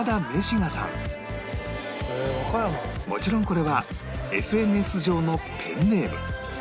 もちろんこれは ＳＮＳ 上のペンネーム